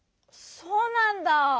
そうなんだ。